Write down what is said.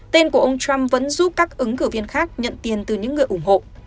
tên của ông trump vẫn giúp các ứng cử viên khác nhận tiền từ những người ủng hộ